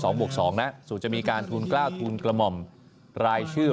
สองบวกสองนะส่วนจะมีการทูนกล้าทูนกลมอมรายชื่อ